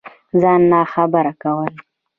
ځان ناخبره كول